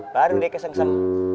baru dia keseng sem